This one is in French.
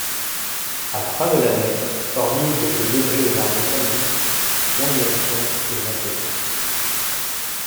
À la fin de l’année, hormis quelques débris de l’armée samnite, l’insurrection est matée.